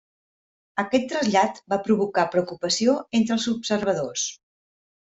Aquest trasllat va provocar preocupació entre els observadors.